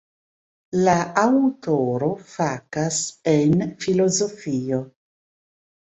La aŭtoro fakas en filozofio.